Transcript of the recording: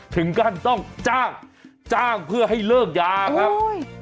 ถึงขั้นต้องจ้างจ้างเพื่อให้เลิกยาครับ